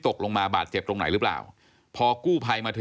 ตกลงไปจากรถไฟได้ยังไงสอบถามแล้วแต่ลูกชายก็ยังไง